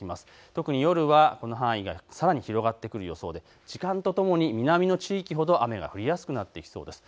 特に夜はこの範囲がさらに広がってくる予想で時間とともに南の地域ほど雨が降りやすくなってきそうです。